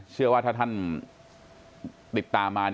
เชื่อว่าถ้าท่านติดตามมา